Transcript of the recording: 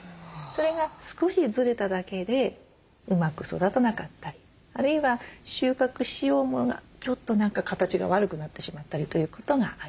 それが少しずれただけでうまく育たなかったりあるいは収穫しようものがちょっと何か形が悪くなってしまったりということがあります。